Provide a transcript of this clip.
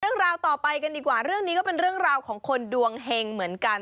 เรื่องราวต่อไปกันดีกว่าเรื่องนี้ก็เป็นเรื่องราวของคนดวงเฮงเหมือนกัน